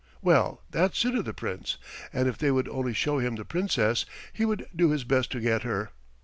Well, that suited the Prince, and if they would only show him the Princess he would do his best to get her.